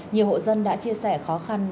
nhiều hộ dân đã chia sẻ khó khăn